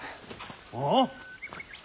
ああ？